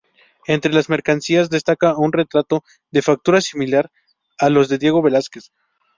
Entre las mercancías destaca un retrato de factura similar a los de Diego Velázquez.